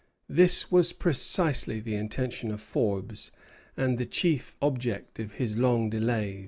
This was precisely the intention of Forbes, and the chief object of his long delays.